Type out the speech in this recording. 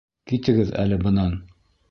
Китегеҙ әле бынан!